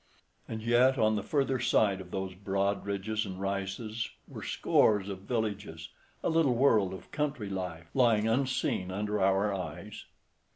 And yet, on the further side of those broad ridges and rises were scores of villages—a little world of country life, lying unseen under our eyes.